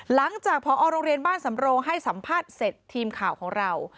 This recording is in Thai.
หลังจากพอโรงเรียนบ้านสำโรงให้สัมภาษณ์เสร็จทีมข่าวของเรา